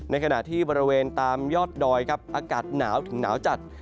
ในขณะที่บริเวณตามยอดดอยครับอากาศหนาวถึงหนาวจัด